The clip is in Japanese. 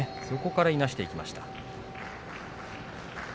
そこからいなしていきました。